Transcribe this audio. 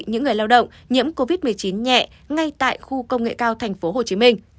những người lao động nhiễm covid một mươi chín nhẹ ngay tại khu công nghệ cao tp hcm